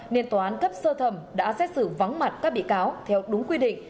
nên tòa án cấp sơ thẩm đã xét xử vắng mặt các bị cáo theo đúng quy định